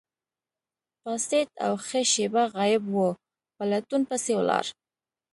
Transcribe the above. پاڅید او ښه شیبه غایب وو، په لټون پسې ولاړ.